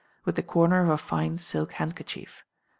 with the corner of a fine silk handkerchief.